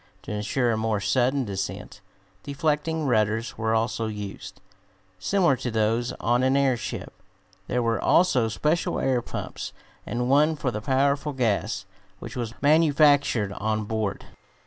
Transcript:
To insure a more sudden descent, deflecting rudders were also used, similar to those on an airship. There were also special air pumps, and one for the powerful gas, which was manufactured on board.